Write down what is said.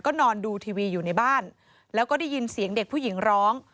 นอนดูทีวีอยู่ในบ้านแล้วก็ได้ยินเสียงเด็กผู้หญิงร้อง